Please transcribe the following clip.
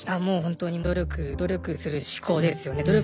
もう本当に努力努力する思考ですよね